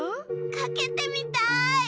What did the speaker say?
かけてみたい！